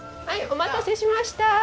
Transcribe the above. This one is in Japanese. はいお待たせしました。